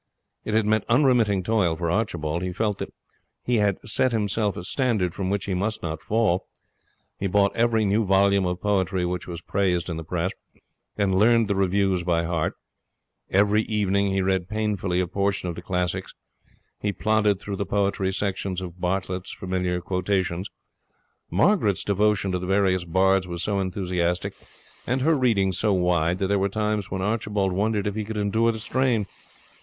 It had meant unremitting toil for Archibald. He felt that he had set himself a standard from which he must not fall. He bought every new volume of poetry which was praised in the press, and learned the reviews by heart. Every evening he read painfully a portion of the classics. He plodded through the poetry sections of Bartlett's Familiar Quotations. Margaret's devotion to the various bards was so enthusiastic, and her reading so wide, that there were times when Archibald wondered if he could endure the strain.